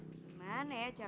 cuma speakin' kacau njong